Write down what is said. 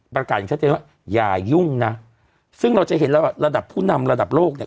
อย่างชัดเจนว่าอย่ายุ่งนะซึ่งเราจะเห็นแล้วว่าระดับผู้นำระดับโลกเนี่ย